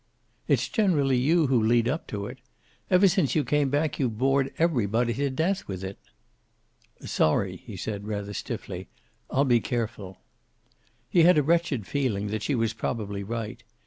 "It's generally you who lead up to it. Ever since you came back you've bored everybody to death with it." "Sorry," he said, rather stiffly. "I'll be careful." He had a wretched feeling that she was probably right.